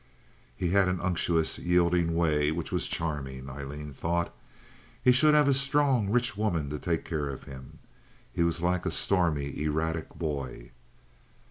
He had an unctuous, yielding way which was charming, Aileen thought. He should have a strong, rich woman to take care of him. He was like a stormy, erratic boy.